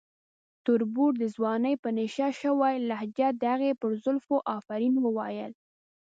تربور د ځوانۍ په نشه شوې لهجه د هغې پر زلفو افرین وویل.